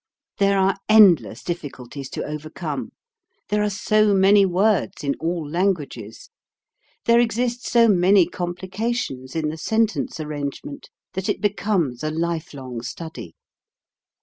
There are endless difficulties to overcome, there are so many words in all languages, there exist so many complications in the 296 HOW TO SING sentence arrangement that it becomes a life long study.